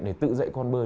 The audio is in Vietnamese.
để tự dạy con bơi